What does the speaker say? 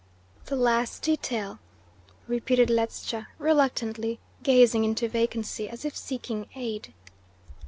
"The least detail?" repeated Ledscha reluctantly, gazing into vacancy as if seeking aid.